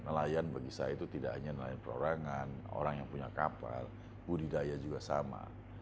nelayan bagi saya itu tidak hanya nelayan perorangan orang yang punya kapal budidaya juga sama